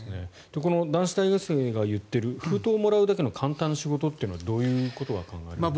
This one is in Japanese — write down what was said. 男子大学生が言っている封筒をもらうだけの簡単な仕事というのはどういうことが考えられますか。